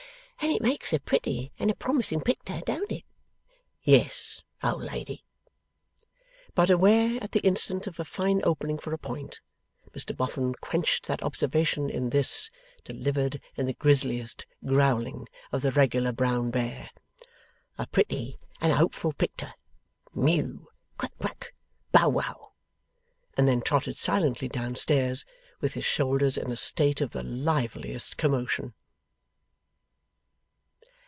'And it makes a pretty and a promising picter; don't it?' 'Yes, old lady.' But, aware at the instant of a fine opening for a point, Mr Boffin quenched that observation in this delivered in the grisliest growling of the regular brown bear. 'A pretty and a hopeful picter? Mew, Quack quack, Bow wow!' And then trotted silently downstairs, with his shoulders in a state of the liveliest commotion.